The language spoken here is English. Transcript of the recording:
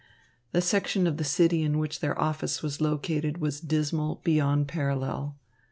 The section of the city in which their office was located was dismal beyond parallel.